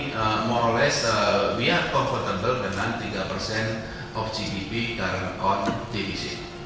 kita lebih nyaman dengan tiga persen gdp karena di divisi